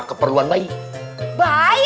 keperluan bayi bayi